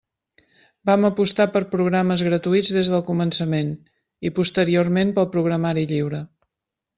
Vam apostar per programes gratuïts des del començament, i posteriorment pel programari lliure.